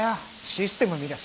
システム見りゃ